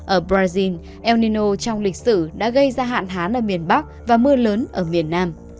ở brazil el nino trong lịch sử đã gây ra hạn hán ở miền bắc và mưa lớn ở miền nam